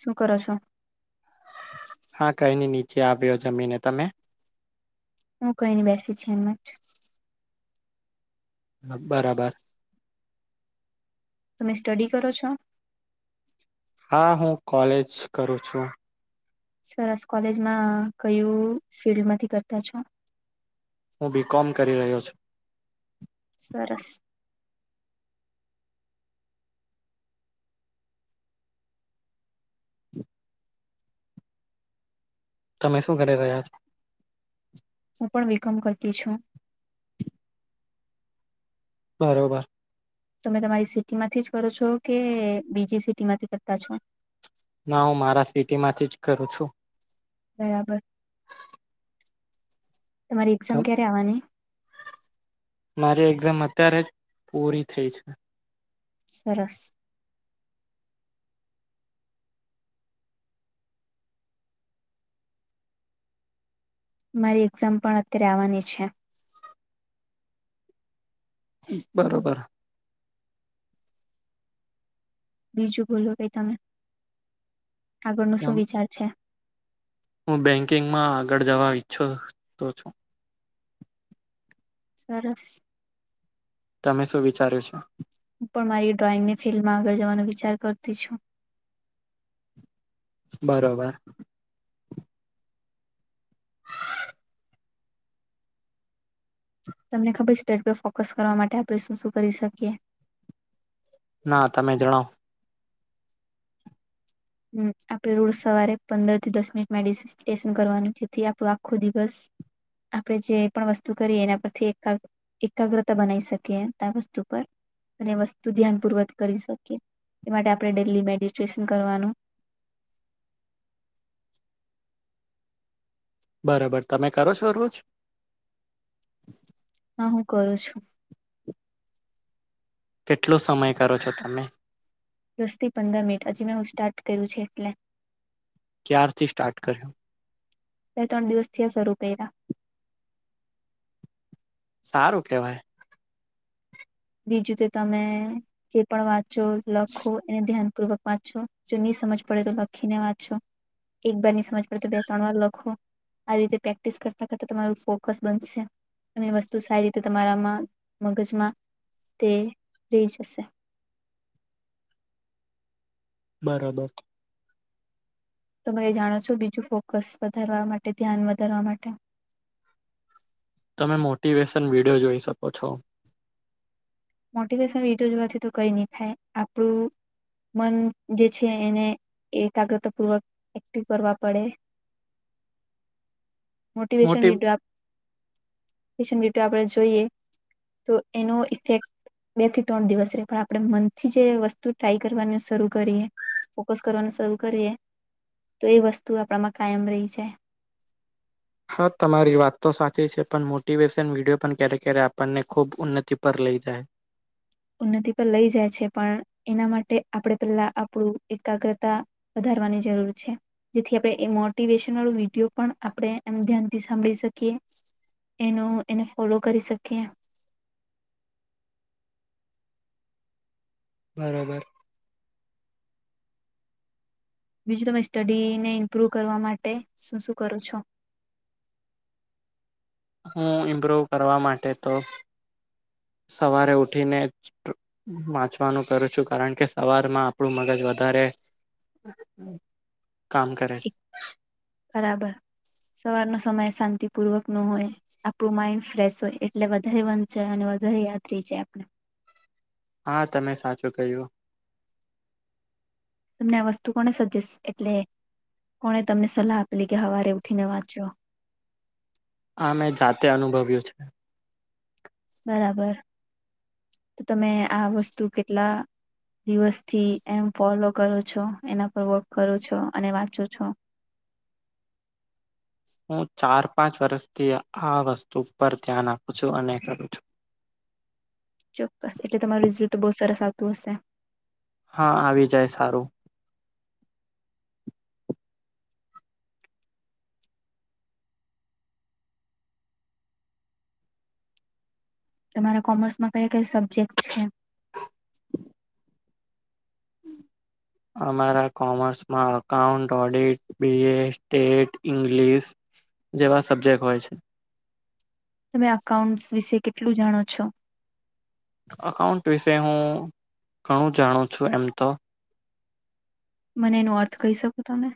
શું કરો છો હા કઈ ન નીચે આવ્યો જમીને તમે હું કઈ ન બેસી છ એમમાં જ હ બરાબર તમે સ્ટડી કરો છો હા હું કોલેજ કરું છું સરસ કોલેજમાં કયું ફિલ્ડમાંથી કરતા છો હું બીકોમ કરી રહ્યો છું સરસ તમે શું કરી રહ્યા છ હું પણ બીકોમ કરતી છું બરોબર તમે તમારી સિટી માંથી જ કરો છો કે બીજી સિટી માંથી કરતા છો ના હું મારા સિટી માંથી જ કરું છું બરાબર તમારી એક્ઝામ ક્યારે આવવાની? મારી એક્ઝામ અત્યારે જ પૂરી થઈ છે સરસ મારી એક્ઝામ પણ અત્યારે આવવાની છે બરોબર બીજું બોલોલો કઈ તમે આગળનો શું વિચાર છે હું બેંકિંગમાં આગળ જવા ઈચ્છો છું સરસ તમે શું વિચાર્યું છે હું પણ મારી ડ્રોઈંગને ફિલ્ડમાં આગળ જવાનો વિચાર કરતી છું છે બરોબર તમને ખબર સ્ટડ પર ફોકસ કરવા માટે આપણે શું શું કરી શકીએ ના તમે જણાવ હમ આપડે રોજ સવારે પંદર થી દસ મિનિટમાંેશન કરવાનું જેથી આપણો આખો દિવસ આપણે જે પણ વસ્તુ કરીએ એના પરથી એક એકાગ્રતા બનાવી શકીએ ત વસ્તુ પર અને વસ્તુ ધ્યાન પૂર્વક કરી શકીએ એ માટે આપણે ડેલી મેડિટેેશન કરવાનું બરાબર તમે કરો છો રોજ હા હું કરું છું કેટલો સમય કરો છો તમે દસ થી પંદર મિનિટ હજી મેં હું સ્ટાર્ટ કર્યું છે એટલે ક્યારથી સ્ટાર્ટ કર્યો બે ત્રણ દિવસથી શરૂ કર્યા સારું કેવાય. બીજું કે તમે જે પણ વાંચો લખો એને ધ્યાનપૂર્વક વાંચો જોની સમજ પડે તો લખીને વાંચો, એક વાર નહી સમજ પડે તો બે ત્રણ વાર લખો. આ રીતે પ્રેક્ટિસ કરતા કરતા તમારું ફોકસ બનશે. અને વસ્તુ સારી રીતે તમારામાં, મગજમાં તે રહી જશે. બરાબર. તમે એ જાણો છો બીજું ફોકસ વધારવા માટે ધ્યાન વધારવા માટે તમે મોટિવેશન વિડિયો જોઈ શકો છો. મોટિવેશન વીડીયો જોવાથી તો કઈ નહી થાય આપડું મન જે છે એને એ એકાગ્રતાપૂર્વક એક્ટિવ કરવા પડે. [unintelligible] [inaudible] મોટીવેશન મોટી વિડયો આપ વેશન આપણે જોઈએ તો એનો ઇફેક્ટ બે થી ત્રણ દિવસ રે પણ આપડે મનથી જે વસ્તુ ટ્રાય કરવાનું શરૂ કરીએ ફોકસ કરવાનું શરૂ કરીએ. તો એ વસ્તુ આપણામાં કાયમ રહી જાય. હા, તમારી વાત તો સાચી છે પણ મોટિવેશન વિડિયો પણ ક્યારેક ક્યારે આપણને ખૂબ ઉન્નતિ પર લઈ જાય. ઉન્નતિ પર લઈ જાય છે પણ એના માટે આપડે પેલા આપણું એકાગ્રતા વધારે કરવાની જરૂર છે. જેથી આપણે એ મોટિવેશનલ વિડીયો પણ આપણે એમ ધ્યાનથી સાંભળી શકીએ. એનો એને ફોલો કરી શકીએ. [unintelligible] બરોબર. બીજું તમે સ્ટડીને ઇમ્પ્રુવ કરવા માટે શું શું કરો છો? [unintelligible] હું ઇમ્બ્રોવ કરવા માટે તો. સવારે ઉઠીને વાંચવાનું કરું છું. કારણ કે સવારમાં આપણું મગજ વધારે કામ કરે છે. એક બરાબર. સવારનો સમય શાંતિપૂર્વક નો હોય, આપણું માઇન્ડ ફ્રેશ હોય એટલે વધારે વંચાય અને વધારે યાદ રહી જાય આપણે. હા, તમે સાચું કહ્યું. તમને આ વસ્તુ કોને સજેસ એટલે કોણે તમને સલાહ આપેલી કે હવારે ઉઠીને વાંચો? આ મેં જાતે અનુભવ્યું છે. બરાબર તો તમે આ વસ્તુ કેટલા- - દિવસથી એમ ફોલો કરો છો એના પર વર્ક કરો છો અને વાંચું છો હું ચાર પાંચ વર્ષથી આ વસ્તુ પરર ધ્યાન આપું છું અને કરું છું. [inaudible] ચોક્કસ એટલે તમારું રિઝલ તો બહુ સરસ આવતું હશે? હા આવી જાય સારું. તમારા કોમર્સમાં કયા કયા સબ્જેક્ટ છે? [inaudible] અમારા કોમર્સમાં account audit B A state English જેવા સબ્જેક્ટ હોય છે. તમે અકાઉન્ટ્સ વિશે કેટલું જાણો છો? અકાઉન્ટ વિશે હું ઘણું જાણું છું એમ તો મને એનો અર્થ કહી શકો તમે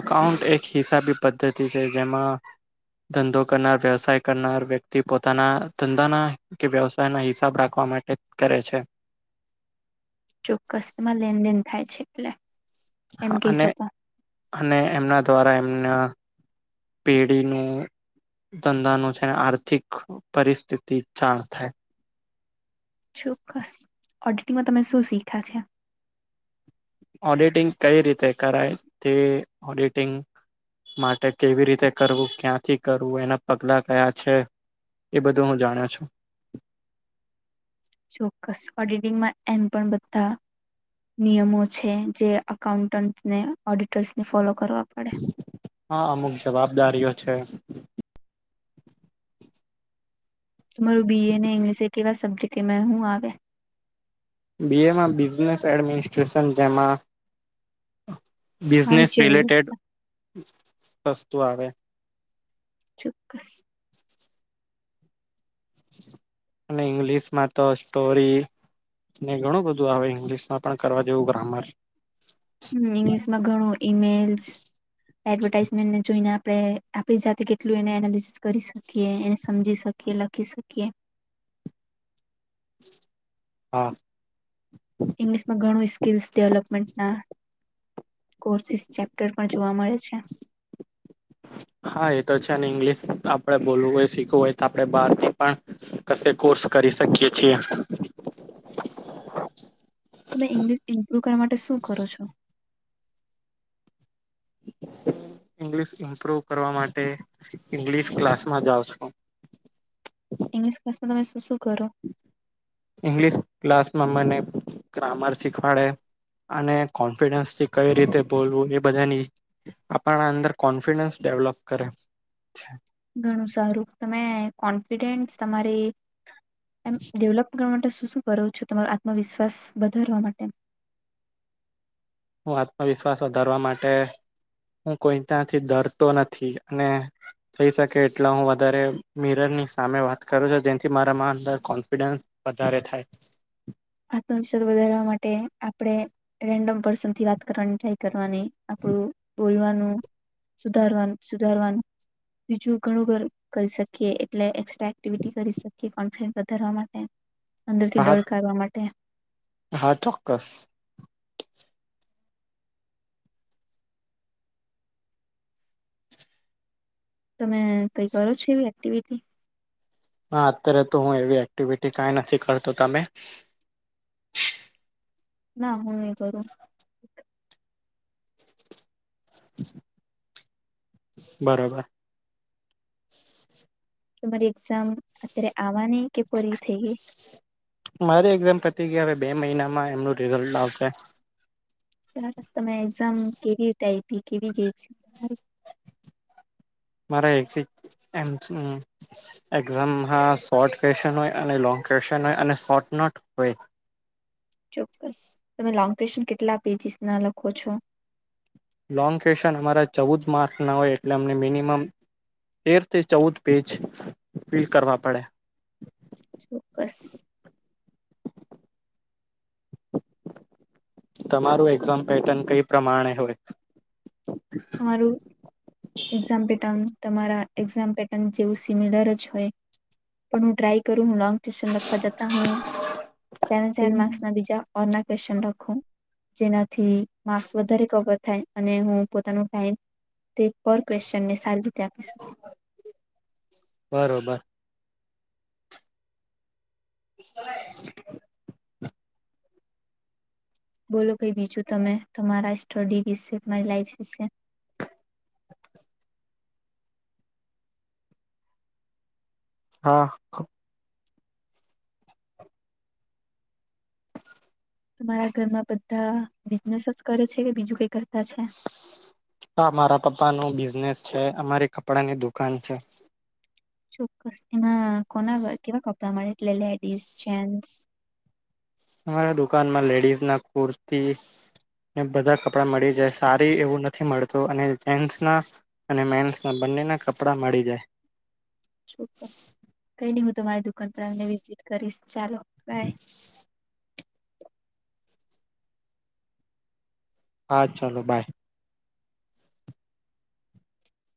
અકાાઉન્ટ એક હિસાબી પદ્ધતિ છે જેમાં ધંધો કરનાર વ્યવસાય કરનાર વ્યક્તિ પોતાના ધંધાના કે વ્યવસાય ના હિસાબ રાખવા માટે કરે છે ચોક્કસ તેમાં લેનદેન થાય છે એટલે એમ કહી અને શકો અને એમના દ્વારા એમના પેઢી ન ધંધાનું છે અને આર્થિક પરિસ્થિતિ જાણ થાય ચોક્કસ ઓડિટિંગમાં તમે શું શીખ્યા છે ઓડિટિંગ કઈ રીતે કરાય તે ઓડિટિંગ માટે કેવી રીતે કરવું ક્યાંથી કરવું એના પગલાં કયા છે એ બધું હું જાણ છું ચોક્કસ ઓડિટિંગમાં એમ પણ બધા નિયમો છે જે અઉન્ટન્ટને ઓડિટર્સને ફોલો કરવા પડે હા અમુક જવાબદારીઓ છે તમારું બીએ અનેને ઇંગ્લિશ એ કેવા સબ્જેક્ટ મેં હું આવે બી એમાં બિઝનેસ એડમિનિસ્ટ્રેશન જેમાં બિઝનેસ વાણિજ્ય વ્યવસ્થા રિલેટેડ વસ્તુ આવે ચોક્કસ અને ઇંગ્લિશ માં તો સ્ટોરી ને ઘણું બધું આવે ઈંગ્લિશમાં પણ કરવા જેવું ગ્રામર હમ ઇંગ્લિશમાં ઘણું ઈમેલ્સ એડવર્ટાઈઝમેન્ટને જોઈને આપણે આપણી જાતે કેટલું એને એનાલિસિસ કરી શકીએ એને સમજી શકીએ લખી શકીએ [inaudible] હા ઇંગ્લિશમાં ઘણું સ્કિલ્સ ડેવલપમેન્ટના કોર્સિસ ચેપ્ટર પણ જોવા મળે છે આપણેે બોલવું હોય શીખવું હોય તો આપણે બહારથી પણ ક કોર્સ કરી શકીએ છીએ [inaudible] તમે ઇંગ્લિશ ઇમ્પ્રુવ કરવા માટે શું કરો છો [inaudible] ઇંગલશ ઇમ્પ્રુવ કરવા માટે ઇંગ્લિશ ક્લાસમાં જાાવ છો [inaudible] ઇંગ્લિશ ક્લાસ માં તમે શું શું કરો ઇંગ્લિશ ક્લાસમાં મને ગ્રામર શીખવાડે અને કોન્ફિડન્સ થી કઈ રીતે બોલવું એ બધાની આપણા અંદર કોન્ફિડન્સ ડેવલોપ કરે છે. ઘણું સારું તમે કોન્ફિડેન્સ તમારી એમ ડેવલપ કરવા માટે શું શું કરો છું તમારો આત્મવિશ્વાસ વધારવા માટે હું આત્મવિશ્વાસ વધારવા માટે હું કોઈ ત્યાંથી ડરતો નથી અને થઈ શકે એટલે હું વધારે મિર ની સામે વાત કરો છો જેથી મારામાં અંદર કોન્ફિડન્સ વધારે થાય. આત્મવિશ્વાસ વધારવા માટે આપણે રેન્ડમ પર્સન થી વાત કરવાની ટ્રાય કરવાની આપડું બોલવાનું સુધારવાનું સુધારવાનું બીજું ઘણું ઘર કરી શકીએ એટલે એકસ્ટ્રા એક્ટિવિટી કરી શકીએ કોન્ફિડન્સ વધારવા માટે અંદર થી હા ડર કરવા માટે હા ચોક્કસ તમે કઈ કરો છો એવી એક્ટિવિટી હા અત્યારે તો હું એવી એક્ટિવિટી કઈ નથી કરતો તમે [inaudible] ના હું એ કરું. બરોબર. તમારી એક્ઝામ અત્યારે આવાની કે પુરી થઈ ગઈ. પતિ ગઈ હવે બે મહિનામાં એમનું રિઝલ્ટ આવશે. સરસ તમે એક્ઝામ કેવી રીતે આયપી કેવી ગઈ સ મારે એક સી. એમ્થ નુ એક્ઝામમાં શોર્ટ ક્વેશ્ચન હોય અને લોંગ ક્વેશ્ચન હોય અને શોર્ટ નુ નોટ હોય. - ચોક્કસ તમે લોંગ ક્વેશ્ચન કેટલા પેજીિસના લખો છો. લોંગ ક્વેશન અમારા ચૌદ માર્કના હોય એટલે અમને મિનિમમ. તેરથી ચૌદ પેજ ફિલ કરવા પડે. ચોક્કસ. તમારું એક્ઝામ પેટર્ન કઈ પ્રમાણે હોય. અમારુ એક્ઝામ પેટાનું તમારા એક્ઝામ પેટર્ન જેવું સિમિલર જ હોય પણ હું ટ્રાય કરું હું લંગ ક્વેશ્ચન લખવા જતા હુ સેવન સેવન માર્સ ના બીજા ઓર ના ક્વેશ્ચન લખું જેનાથી માર્ક્સ વધારે કવર થાય અને હું પોતાનો ટાઈમ તેપર ક્વનને સા બરોબર. [inaudible] બોલો કઈ બીજું તમે તમારા સ્ટડી વિશે તમારી લાઈફ વિશે. [inaudible] હા. તમારા ઘરમાં બધા બિઝનેસ જ કરે છે કે બીજું કઈ કરે. તા છે. હા મારા પપ્પા નો બિઝનેસ છે અમારી કપડાની દુકાન છે. ચોક્કસ એમાં કોના કેવા કપડા મળે એટલે લેડીસ જેન્ટસ. અમારા દુકાનમાં લેડીઝ ના કુર્તી. ને બધા કપડા મળી જાય સારી એવું નથી મળતું અને જેન્ટ્સ ના અને મેન્સના બંને ના કપડા મળી જાય. ચોક્કસ કઈ નઈ હું તમારી દુકાન પર આવીને વિઝિટ કરીશ. ચાલો બાય. હા ચાલો બાય.